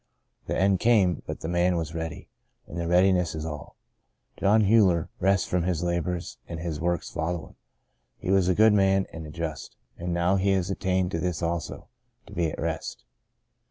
The end came, but the man was ready — and the readiness is all. John Huyler rests from his labours, and his works follow him. He was a good man and a just ; and now he has attained to this also — to be at rest.